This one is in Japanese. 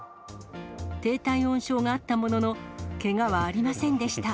低体温症があったものの、けがはありませんでした。